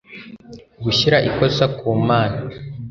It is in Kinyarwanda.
Gushyira Ikosa ku Mana